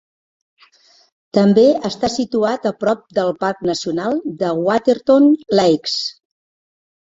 També està situat a prop del parc nacional de Waterton Lakes.